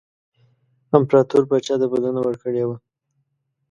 امپراطور پاچا ته بلنه ورکړې وه.